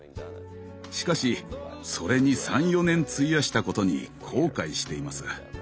しかしそれに３４年費やしたことに後悔しています。